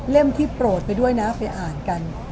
ที่โปรดไปด้วยนะไปอ่านกัน